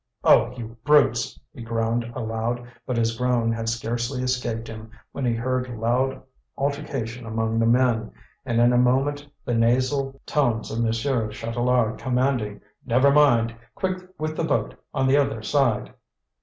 "Oh, you brutes!" he groaned aloud; but his groan had scarcely escaped him when he heard loud altercation among the men, and in a moment the nasal tones of Monsieur Chatelard commanding: "Never mind! Quick with the boat on the other side!"